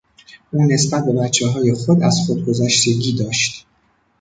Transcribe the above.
او نسبت به بچههای خود از خودگذشتگی داشت.